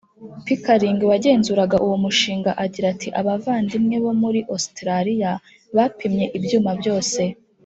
Pickering wagenzuraga uwo mushinga agira ati abavandimwe bo muri Ositaraliya bapimye ibyuma byose.